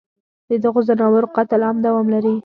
ددغو ځناورو قتل عام دوام لري